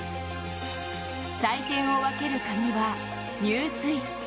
採点を分けるカギは入水。